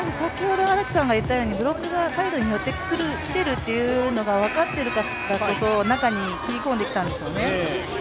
先ほど、荒木さんが言ったようにブロックがサイドに寄ってきているというのが分かっているからこそ中に切り込んできたんでしょうね。